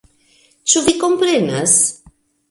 Ĉu vi komprenas?